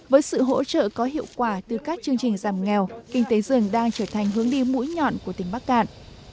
với sự hỗ trợ có hiệu quả từ các chương trình giảm nghèo kinh tế rừng đang trở thành hướng đi mũi nhọn của tỉnh bắc cạn